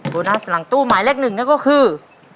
โบนัสหลังตู้หมายเลขสามก็คือ